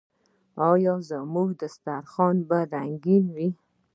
آیا زموږ دسترخان به رنګین وي؟